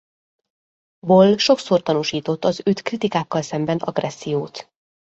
Boll sokszor tanúsított az őt kritikákkal szemben agressziót.